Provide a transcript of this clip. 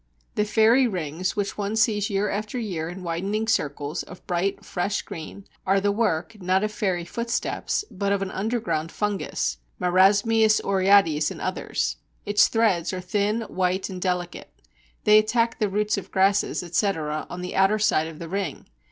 The fairy rings which one sees year after year in widening circles of bright, fresh green are the work, not of fairy footsteps, but of an underground fungus (Marasmius oreades and others). Its threads are thin, white, and delicate; they attack the roots of grasses, etc., on the outer side of the ring.